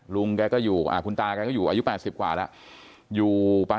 ลุงแกก็อยู่คุณตากันก็อยู่อายุ๘๐กว่าแล้ว